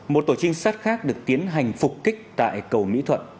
một tổ trinh sát khác được tiến hành phục kích tại cầu mỹ thuận